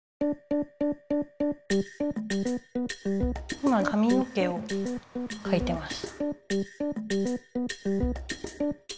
今かみの毛をかいてます。